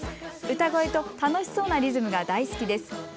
歌声と楽しそうなリズムが大好きです。